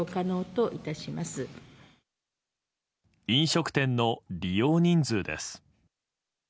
飲食店の利用人数です。